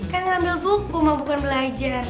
kan ngambil buku mau bukan belajar